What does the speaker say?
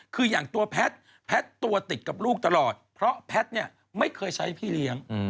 คืออย่างตัวแพทย์แพทย์ตัวติดกับลูกตลอดเพราะแพทย์เนี่ยไม่เคยใช้พี่เลี้ยง